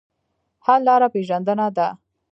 حل لاره پېژندنه ده.